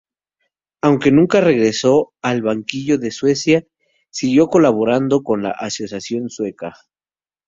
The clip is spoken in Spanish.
Aunque nunca regresó al banquillo de Suecia, siguió colaborando con la Asociación Sueca.